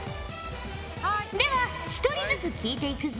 では１人ずつ聞いていくぞ。